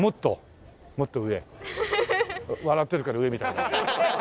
笑ってるから上みたい。